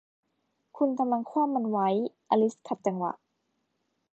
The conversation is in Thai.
'คุณกำลังคว่ำมันไว้ ! ' อลิซขัดจังหวะ